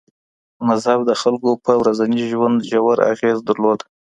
مذهب د خلګو په ورځني ژوند ژور اغېز درلود.